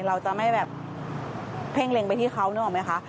เราจะไม่แบบเพ่งเล็งไปที่เขานึกออกไหมคะ